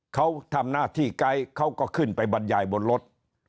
เขาทำหน้าที่ไกด์เขาก็ขึ้นไปบรรยายบนรถ